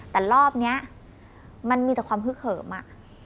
แต่รอบนี้มันมีแต่ความฮึกเหิมอะ